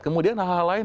kemudian hal hal lain